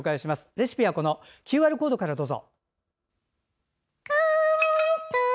レシピはＱＲコードからどうぞ。